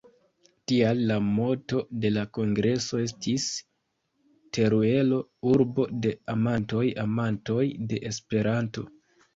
Tial, la moto de la kongreso estis: "Teruelo, urbo de amantoj, amantoj de Esperanto".